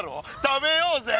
食べようぜ！